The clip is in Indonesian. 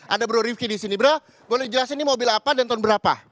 ada bro rifki disini bro boleh jelasin ini mobil apa dan tahun berapa